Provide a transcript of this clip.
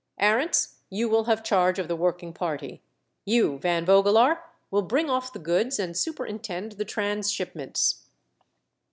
Arents, you will have charge of the working party — you. Van Vogelaar, will bring off the goods and superintend the tran shipments.